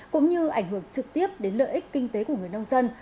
cũng như ảnh hưởng trực tiếp đến lợi ích kinh tế của người nông dân